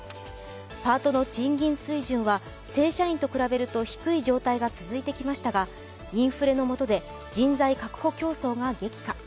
パートの賃金水準は正社員と比べると引く状態が続いてきましたがインフレの下で人材確保競争が激化。